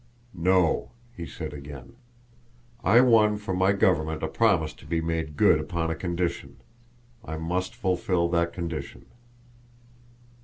"No," he said again. "I won from my government a promise to be made good upon a condition I must fulfil that condition."